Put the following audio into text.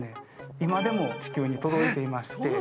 今でも地球に届いていまして。